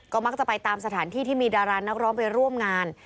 ก็มักจะไปตามสถานที่ที่มีดารานักร้องไปร่วมงาน